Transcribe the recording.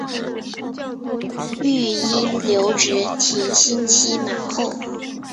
育婴留职停薪期满后